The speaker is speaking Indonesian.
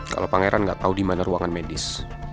kalo pangeran gak tau dimana ruangan medis